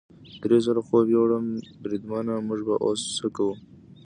درې ځله خوب یووړم، بریدمنه موږ به اوس څه کوو؟